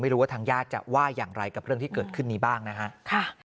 ว่าทางญาติจะว่าอย่างไรกับเรื่องที่เกิดขึ้นนี้บ้างนะครับ